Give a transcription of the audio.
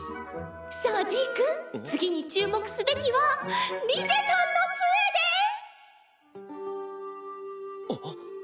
さあジーク次に注目すべきはリゼたんの杖です！あっ！